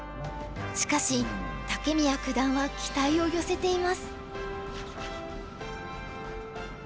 しかし武宮九段は期待を寄せています。